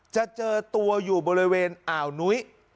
จะเจอตัวอยู่บริเวณอ่าวนุ้ย